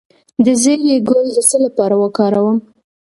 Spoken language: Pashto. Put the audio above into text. د زیرې ګل د څه لپاره وکاروم؟